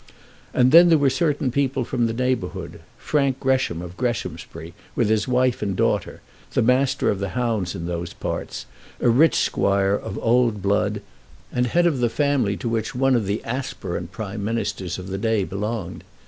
And then there were certain people from the neighbourhood; Frank Gresham of Greshamsbury, with his wife and daughter, the master of the hounds in those parts, a rich squire of old blood, and head of the family to which one of the aspirant Prime Ministers of the day belonged.